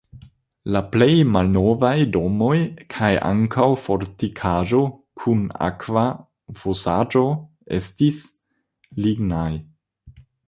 La plej malnovaj domoj kaj ankaŭ fortikaĵo kun akva fosaĵo estis lignaj.